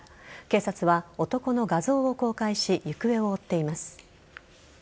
警察は男の画像を公開し行方を追っています。